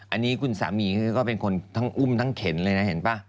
อันนี้คุณสามีก็เป็นคนทั้งอุ้มทั้งเข็นเลยนะเห็นป่ะ